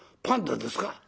パンダですか？」。